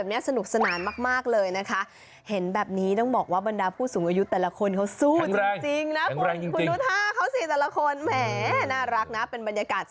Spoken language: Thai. อย่าดมไหมคะคุณยาย